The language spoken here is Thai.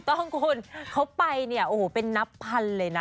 ต้องคุณเขาไปเนี่ยโอ้โหเป็นนับพันเลยนะ